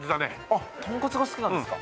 あっトンカツが好きなんですか。